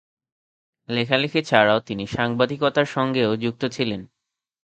লেখালেখি ছাড়াও তিনি সাংবাদিকতার সঙ্গেও যুক্ত ছিলেন।